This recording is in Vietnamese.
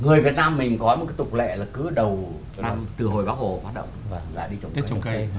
người việt nam mình có một cái tục lệ là cứ đầu năm từ hồi bắc hồ hoạt động là đi trồng cây